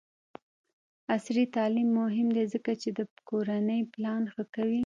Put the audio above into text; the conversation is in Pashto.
عصري تعلیم مهم دی ځکه چې د کورنۍ پلان ښه کوي.